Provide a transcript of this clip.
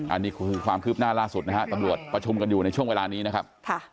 อันนี้คือความคืบหน้าล่าสุดนะฮะตำรวจประชุมกันอยู่ในช่วงเวลานี้นะครับ